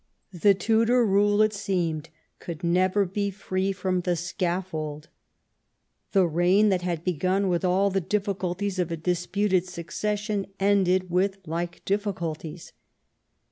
The Tudor rule, it seemed, could never be free from the scaffold. The reign that had begun with all the difficulties of a disputed succession ended with like difficulties.